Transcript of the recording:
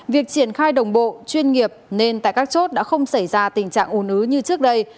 việc triển khai đồng bộ chuyên nghiệp nên tại các chốt đã không xảy ra tình trạng ồ ứ như trước đây